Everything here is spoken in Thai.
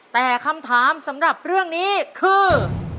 แต่คำถามสำหรับเรื่องนี้คือ